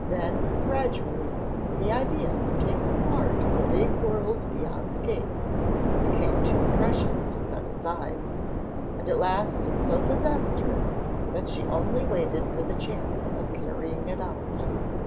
Then gradually the idea of taking part in the big world beyond the gates became too precious to set aside, and at last it so possessed her, that she only waited for the chance of carrying it out.